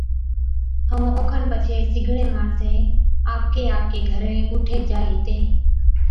ائُون اوکن پڇي سِگڙين ماڻسين آپڪي آپڪي گھرين پُوٺي جائي ھِتين